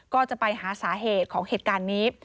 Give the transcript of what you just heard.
ก็จะไปหาสาเหตุของเหตุการณ์นี้